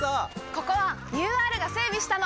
ここはＵＲが整備したの！